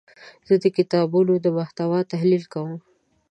زه د کتابونو د محتوا تحلیل کوم.